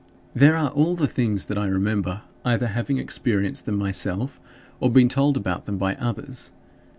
There are all the things that I remember, either having experienced them myself or been told about them by others.